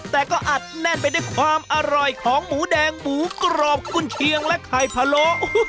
แต่ก็อัดแน่นไปด้วยความอร่อยของหมูแดงหมูกรอบกุญเชียงและไข่พะโล